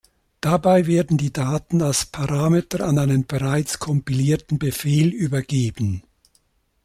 Dabei werden die Daten als Parameter an einen bereits kompilierten Befehl übergeben.